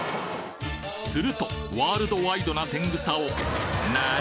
するとワールドワイドな天草をなに？